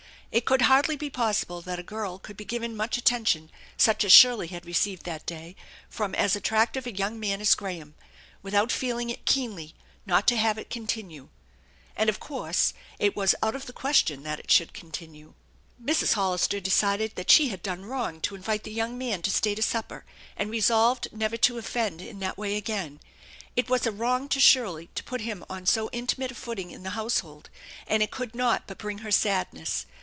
It could hardly be possible that a girl could be given much attention such as Shirley had received that day, from as attractive a young man as Graham, without feeling it keenly not to have it con tinue. And of course it was out of the question that it should continue. Mrs. Hollister decided that she had done wrong to invite the young man to stay to supper, and resolved never *04 THE ENCHANTED BARN to offend in that way again. It was a wrong to Shirley to put him on so intimate a footing in the household, and it could not but bring her sadness.